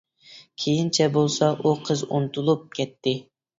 كېيىنچە بولسا ئۇ قىز ئۇنتۇلۇپ كەتتى.